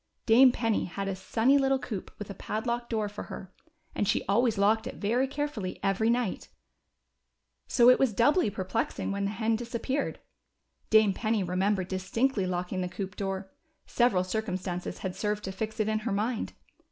Dame Penny had a sunny little coop with a padlocked door for her, and she always locked it very carefully every night. So it was doubly perplexing when the hen disappeared. Dame Penny remembered distinctly locking the coop door ; several circumstances had served to fix it in lier mind.